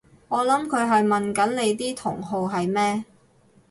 我諗佢係問緊你啲同好係咩？